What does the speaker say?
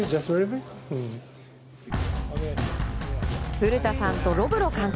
古田さんとロブロ監督